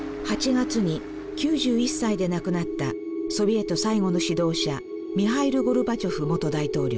８月に９１歳で亡くなったソビエト最後の指導者ミハイル・ゴルバチョフ元大統領。